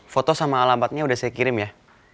foto sama alamatnya udah saya kirim ya